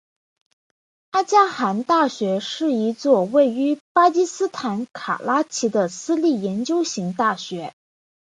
阿迦汗大学是一座位于巴基斯坦卡拉奇的私立研究型大学。